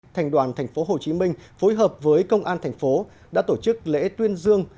thành đoàn tp hcm phối hợp với công an thành phố đã tổ chức lễ tuyên dương